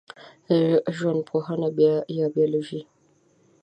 ژوندپوهه یا بېولوژي